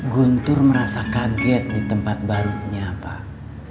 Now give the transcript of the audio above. guntur merasa kaget di tempat barunya pak